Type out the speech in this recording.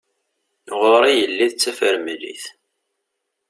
Ɣur-i yelli d tafremlit.